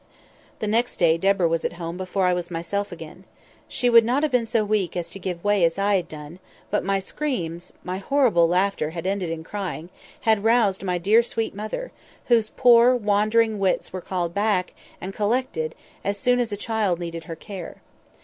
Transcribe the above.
"The next day Deborah was at home before I was myself again. She would not have been so weak as to give way as I had done; but my screams (my horrible laughter had ended in crying) had roused my sweet dear mother, whose poor wandering wits were called back and collected as soon as a child needed her care.